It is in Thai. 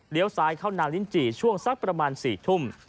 ซ้ายเข้านางลิ้นจี่ช่วงสักประมาณ๔ทุ่ม